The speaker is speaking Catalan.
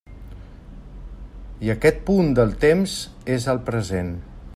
I aquest punt del temps és el present.